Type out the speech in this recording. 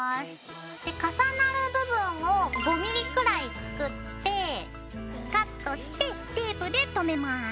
で重なる部分を５ｍｍくらい作ってカットしてテープで留めます。